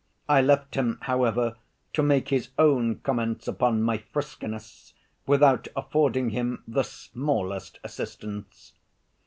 I left him, however, to make his own comments upon my friskiness, without affording him the smallest assistance.